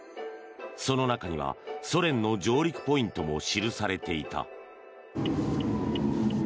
その中にはソ連の上陸ポイントも記されていた。